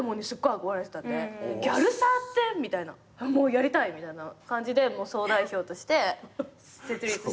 やりたい！みたいな感じで総代表として設立して。